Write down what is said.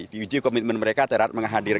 diuji komitmen mereka terhadap menghadir